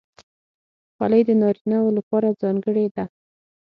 خولۍ د نارینه وو لپاره ځانګړې ده.